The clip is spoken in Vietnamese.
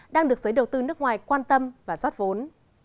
đang được giới đầu tư nước ngoài quan tâm và rót vốn